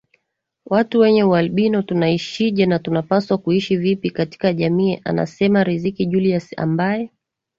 watu wenye ualbino tunaishije na tunapaswa kuishi vipi katika jamii anasema Riziki Julius ambaye